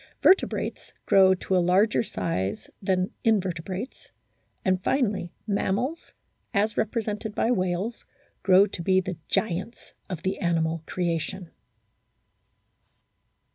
Vertebrates grow to a larger size than Invertebrates, and finally Mammals, as represented by whales, grow to be the giants of the animal creation.